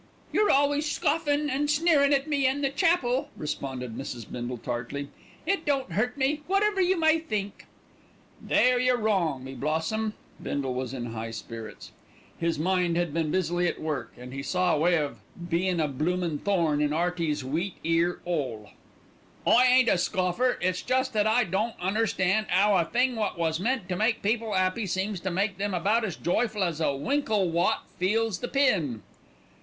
"You're always scoffin' and sneerin' at me an' the chapel," responded Mrs. Bindle tartly. "It don't hurt me, whatever you may think." "There you're wrong, me blossom." Bindle was in high spirits. His mind had been busily at work, and he saw a way of "bein' a bloomin' thorn in 'Earty's wheat ear 'ole." "I ain't a scoffer; it's just that I don't understan' 'ow a thing wot was meant to make people 'appy, seems to make 'em about as joyful as a winkle wot feels the pin."